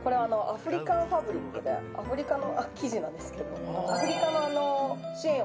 アフリカンファブリックでアフリカの生地なんですけど。